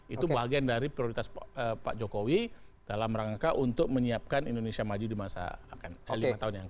itu bagian dari prioritas pak jokowi dalam rangka untuk menyiapkan indonesia maju di masa lima tahun yang akan